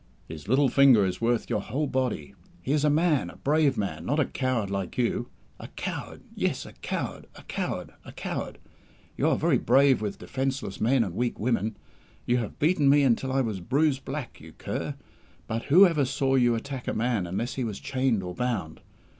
His little finger is worth your whole body. He is a man, a brave man, not a coward, like you. A coward! Yes, a coward! a coward! A coward! You are very brave with defenceless men and weak women. You have beaten me until I was bruised black, you cur; but who ever saw you attack a man unless he was chained or bound?